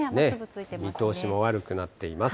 見通しも悪くなっています。